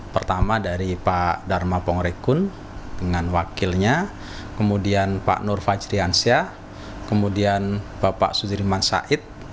pertama dari pak dharma pongrekun dengan wakilnya kemudian pak nur fajriansyah kemudian bapak sudirman said